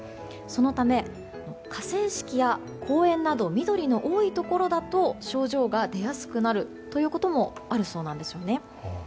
そのため、河川敷や公園など緑の多いところだと症状が出やすくなるということもあるそうなんですよね。